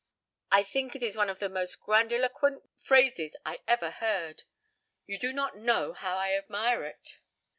"I think it is one of the most grandiloquent phrases I ever heard. You do not know how I admire it."